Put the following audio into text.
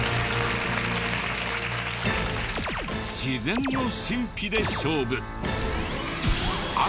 自然の神秘で勝負。